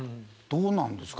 どうなんですか？